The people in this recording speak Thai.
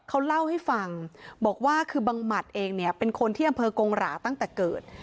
เขาเล่าให้ฟังบอกว่าคือบังหมัดเองเนี่ยเป็นคนที่อำเภอกงหราตั้งแต่เกิด